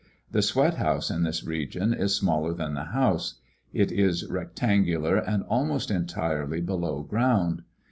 The sweat house in this region is smaller than the house. It is rectangular and almost entirely below ground.